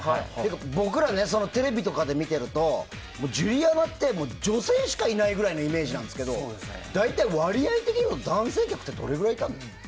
僕らテレビとかで見ているとジュリアナって女性しかいないぐらいのイメージなんですけど大体割合でみると男性客ってどれくらいいたんですか？